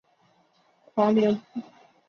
黄连木也是本属植物中最耐寒的种类。